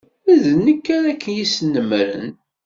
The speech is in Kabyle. D nekk ara k-yesnemmren.